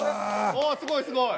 おおすごいすごい。